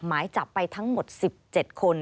หมายจับไปทั้งหมด๑๗คน